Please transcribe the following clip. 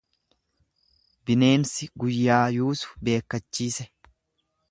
Bineensi guyyaa yuusu beekkachiise.